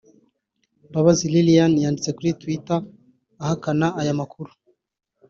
Mbabazi Lilian yanditse kuri Twitter ahakana aya makuru